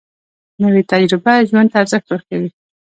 نوې تجربه ژوند ته ارزښت ورکوي